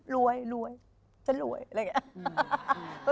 รวยรวยฉันรวยอะไรแบบนี้